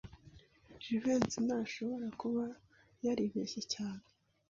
Jivency ntashobora kuba yaribeshye cyane.